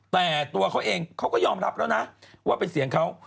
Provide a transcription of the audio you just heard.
แต่ตัวเขาเองเขาก็ยอมรับแล้วนะว่าเป็นเสียงเขา